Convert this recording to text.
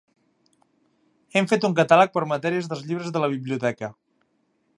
Hem fet un catàleg per matèries dels llibres de la biblioteca.